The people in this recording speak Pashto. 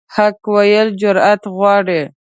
حق ویل جرأت غواړي.